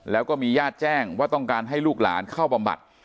แล้วก็มีญาติแจ้งว่าต้องการให้ลูกหลานเข้าบำบัด